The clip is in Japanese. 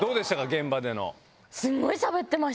現場での。